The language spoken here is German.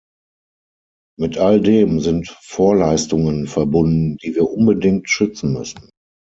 Mit all dem sind Vorleistungen verbunden, die wir unbedingt schützen müssen.